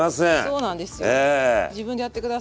そうなんですよね。